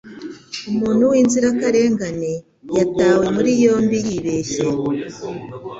Umuntu winzirakarengane yatawe muri yombi yibeshye.